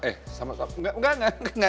eh sama soal enggak enggak enggak